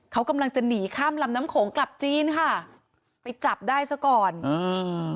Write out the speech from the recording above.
เขากำลังจะหนีข้ามลำน้ำโขงกลับจีนค่ะไปจับได้ซะก่อนอืม